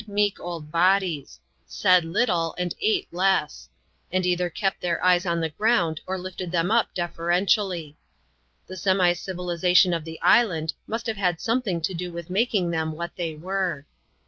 Lxxm. meek old bodies ; said little and ate less ; and either kept their eyes on the ground, or lifted them up deferentially. The semi dyilisation of the island must have had sometldng to do with making them what they were.